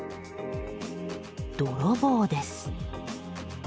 泥棒です。